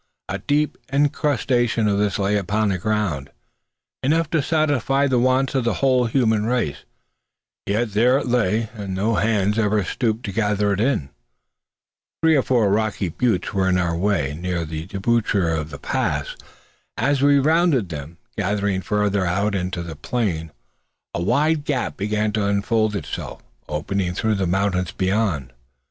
A deep incrustation of this lay upon the ground, enough to satisfy the wants of the whole human race; yet there it lay, and no hand had ever stooped to gather it. Three or four rocky buttes were in our way, near the debouchure of the pass. As we rounded them, getting farther out into the plain, a wide gap began to unfold itself, opening through the mountains beyond.